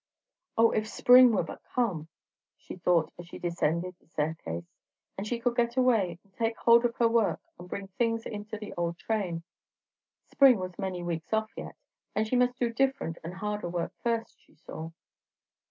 O, if Spring were but come! she thought as she descended the staircase, and she could get away, and take hold of her work, and bring things into the old train! Spring was many weeks off yet, and she must do different and harder work first, she saw.